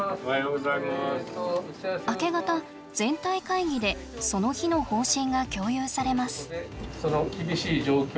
明け方全体会議でその日の方針が共有されます。